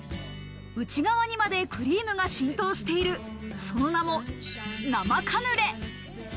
内側にまでクリームが浸透している、その名も生カヌレ。